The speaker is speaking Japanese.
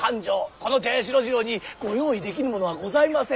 この茶屋四郎次郎にご用意できぬものはございません。